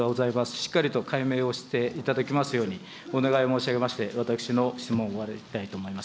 しっかりと解明をしていただきますようにお願い申し上げまして、私の質問を終わりたいと思います。